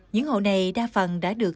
những hộ này đa phần đã được